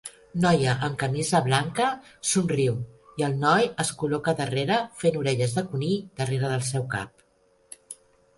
Noia amb camisa blanca somriu i el noi es col·loca darrere fent orelles de conill darrere del seu cap.